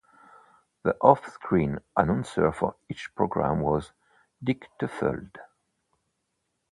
The off-screen announcer for each program was Dick Tufeld.